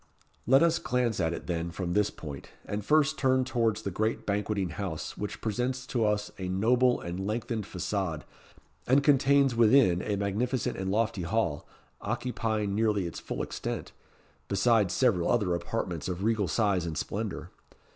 Let us glance at it, then, from this point, and first turn towards the great Banqueting House, which presents to us a noble and lengthened façade, and contains within a magnificent and lofty hall, occupying nearly its full extent, besides several other apartments of regal size and splendour.